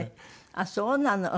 あっそうなの。